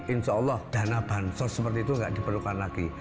insya allah dana bansos seperti itu tidak diperlukan lagi